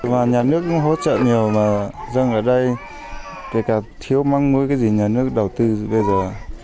và nhà nước cũng hỗ trợ nhiều mà dân ở đây kể cả thiếu mong muốn cái gì nhà nước đầu tư bây giờ